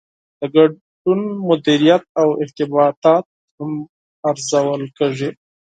د ګډون مدیریت او ارتباطات هم ارزول کیږي.